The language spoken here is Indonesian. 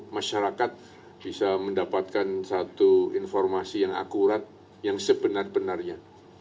masyarakat bisa mendapatkan satu informasi yang akurat yang sebenar benarnya